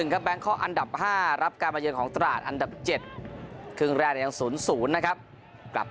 ๑ครับแบงค์เคาะอันดับ๕รับการมาเยินของตราดอันดับ๗